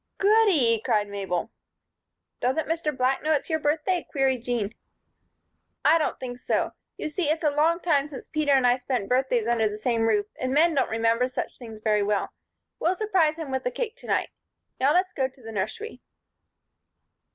"Goody!" cried Mabel. "Doesn't Mr. Black know it's your birthday?" queried Jean. "I don't think so. You see, it's a long time since Peter and I spent birthdays under the same roof, and men don't remember such things very well. We'll surprise him with the cake to night. Now let's go to the nursery."